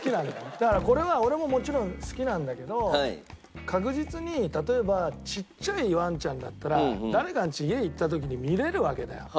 だからこれは俺ももちろん好きなんだけど確実に例えばちっちゃいワンちゃんだったら誰かんち家行った時に見れるわけだよ。